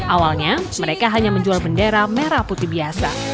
awalnya mereka hanya menjual bendera merah putih biasa